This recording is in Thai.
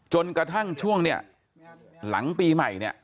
จนกระทั่งช่วงเนี่ยหลังปีใหม่เนี่ย